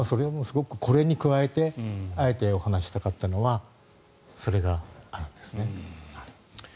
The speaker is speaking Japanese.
これに加えてあえてお話ししたかったのはそれがあるんですね。